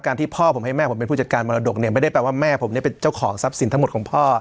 ที่พ่อผมให้แม่ผมเป็นผู้จัดการมรดกเนี่ยไม่ได้แปลว่าแม่ผมเนี่ยเป็นเจ้าของทรัพย์สินทั้งหมดของพ่อ